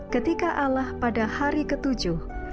ketika alah pada hari ketujuh